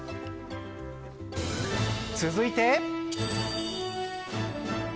続いて。